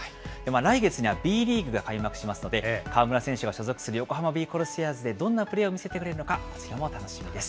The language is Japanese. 来月にはＢリーグが開幕しますので、河村選手が所属する横浜ビー・コルセアーズでどんなプレーを見せてくれるのか、こちらも楽しみです。